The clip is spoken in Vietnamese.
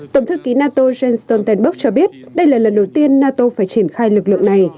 tổng thư ký nato jens stoltenberg cho biết đây là lần đầu tiên nato phải triển khai lực lượng này